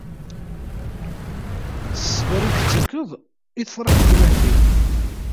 S ṣṣber i d-tettakeḍ i tferreḥ terwiḥt-iw.